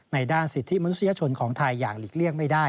ด้านสิทธิมนุษยชนของไทยอย่างหลีกเลี่ยงไม่ได้